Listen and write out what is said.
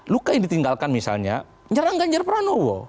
luka yang ditinggalkan misalnya nyerang ganjar pranowo